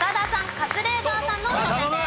カズレーザーさんの挑戦です。